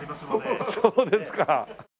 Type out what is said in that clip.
そうですか。